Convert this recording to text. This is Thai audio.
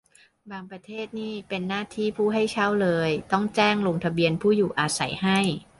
บางประเทศนี่เป็นหน้าที่ผู้ให้เช่าเลย ต้องแจ้งลงทะเบียนผู้อยู่อาศัยให้